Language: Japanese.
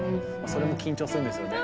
それも緊張するんですよね。